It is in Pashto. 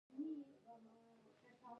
خو ایران وايي دا سوله ییز دی.